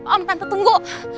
om tante tunggu